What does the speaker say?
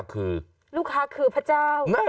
ลูกค้าของพระเจ้า